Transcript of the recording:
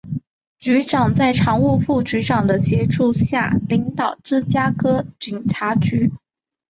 局长在常务副局长的协助下领导芝加哥警察局。